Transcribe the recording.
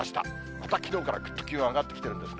またきのうからぐっと気温上がってきてるんですね。